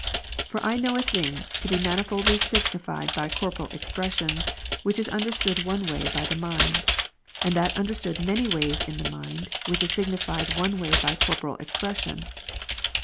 For I know a thing to be manifoldly signified by corporeal expressions, which is understood one way by the mind ; and that under stood many ways in the mind, which is signified one way by corporeal expression.